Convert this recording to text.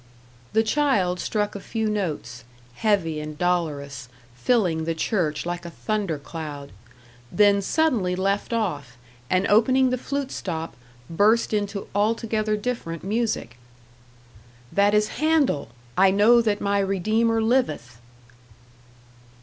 The child struck a few notes, heavy and dolorous, filling the church like a thunder cloud, then suddenly left off, and opening the flute stop, burst into altogether different music. "That is Handel 'I know that my Redeemer liveth.'"